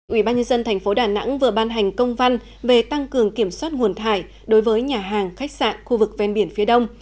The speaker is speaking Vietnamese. ubnd tp đà nẵng vừa ban hành công văn về tăng cường kiểm soát nguồn thải đối với nhà hàng khách sạn khu vực ven biển phía đông